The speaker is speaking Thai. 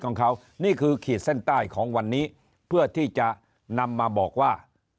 ของเขานี่คือขีดเส้นใต้ของวันนี้เพื่อที่จะนำมาบอกว่า